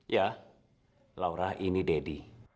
ya laura ini dede